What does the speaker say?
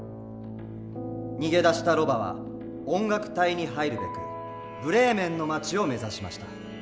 逃げ出したロバは音楽隊に入るべくブレーメンの街を目指しました。